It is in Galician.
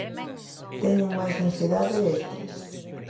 Teñen máis ansiedade e estrés.